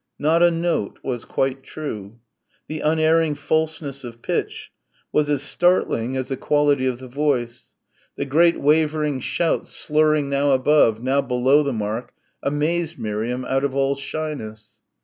Not a note was quite true.... The unerring falseness of pitch was as startling as the quality of the voice. The great wavering shouts slurring now above, now below the mark amazed Miriam out of all shyness.